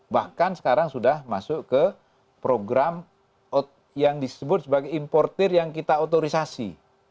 bahkan sekarang sudah masuk ke program yang disebut sebagai importer yang kita otorisasi